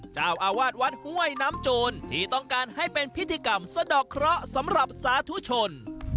เจ้าอาวาสวัดห้วยน้ำโจรที่ต้องการให้เป็นพิธีกรรมสะดอกเคราะห์สำหรับสาธุชน